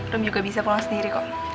rom juga bisa pulang sendiri kok